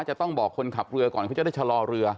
จะต้องบอกคนขับเรือก่อนเขาจะได้ชะลอเรือ